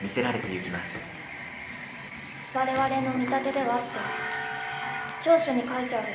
「我々の見立てでは」って調書に書いてある。